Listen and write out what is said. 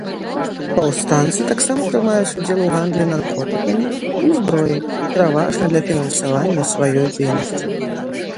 Паўстанцы таксама прымаюць удзел у гандлі наркотыкамі і зброяй, пераважна для фінансавання сваёй дзейнасці.